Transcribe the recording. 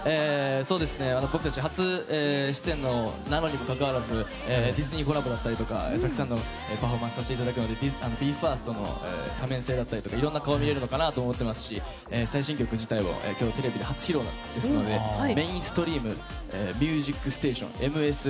僕たち初出演なのにもかかわらずディズニーコラボだったりたくさんのパフォーマンスをさせていただくのでＢＥ：ＦＩＲＳＴの多面性だったりいろんな顔を見られるのかなと思ってますし最新曲自体も今日テレビで初披露ですので「Ｍａｉｎｓｔｒｅａｍ」「ミュージックステーション」ＭＳ。